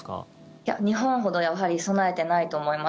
いや、日本ほどやはり備えてないと思います。